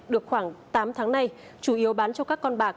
được khoảng tám tháng nay chủ yếu bán cho các con bạc